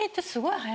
すごい。